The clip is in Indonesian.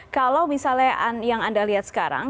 kalau misalnya yang anda lihat sekarang